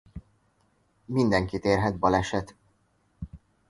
Mindenkit érhet baleset.